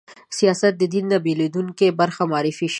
سیاست د دین نه بېلېدونکې برخه معرفي شي